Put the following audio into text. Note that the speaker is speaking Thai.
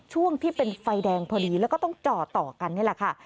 ช่วงที่เป็นไฟแดงพอดีแล้วก็ต้องจอดต่อกันนี่แหละค่ะ